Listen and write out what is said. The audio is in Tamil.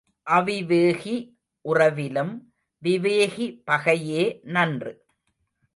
அவிவேகி உறவிலும் விவேகி பகையே நன்று.